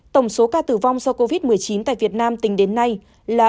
tổng số ca tử vong do covid một mươi chín tại việt nam tính đến nay là bốn mươi